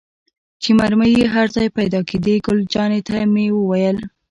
چې مرمۍ یې هر ځای پيدا کېدې، ګل جانې ته مې وویل.